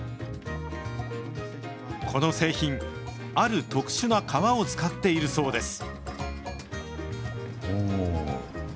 この製品、ある特殊な革を使っているそうです。